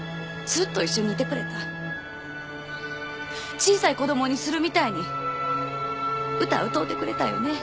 小さい子供にするみたいに歌歌うてくれたよね。